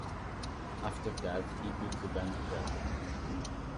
After that he put the band together.